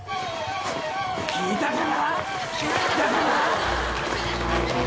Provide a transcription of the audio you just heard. いたかな！？